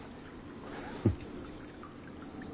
フッ。